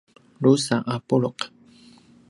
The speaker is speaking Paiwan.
drusa a puluq